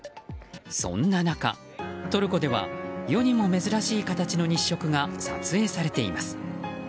そんな中、トルコでは世にも珍しい形の日食が撮影されています。